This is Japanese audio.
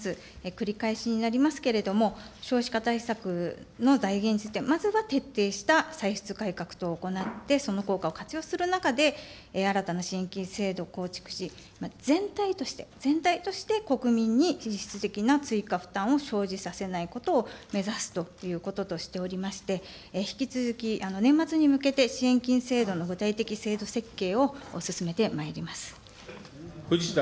繰り返しになりますけれども、少子化対策の財源について、まずは徹底した歳出改革等を行って、その効果を活用する中で、新たな支援金制度を構築し、全体として、全体として国民に的な追加負担を生じさせないことを目指すということとしておりまして、引き続き年末に向けて、支援金制度の制度の具体的制度設計を進めてまいります。